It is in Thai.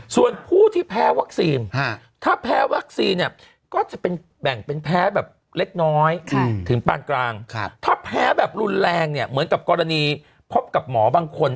ส่วนผู้ที่แพ้วัคซีนถ้าแพ้วัคซีนเนี่ยก็จะเป็นแบ่งเป็นแพ้แบบเล็กน้อยถึงปานกลางถ้าแพ้แบบรุนแรงเนี่ยเหมือนกับกรณีพบกับหมอบางคน